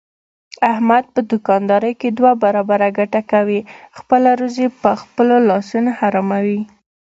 احمد په دوکاندارۍ کې دوه برابره ګټه کوي، خپله روزي په خپلو لاسونو حراموي.